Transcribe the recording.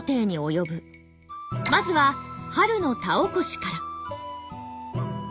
まずは春の田起こしから。